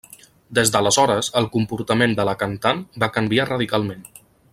Des d'aleshores el comportament de la cantant va canviar radicalment.